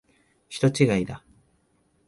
人違いだ。